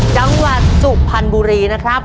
จังหวัดสุพรรณบุรีนะครับ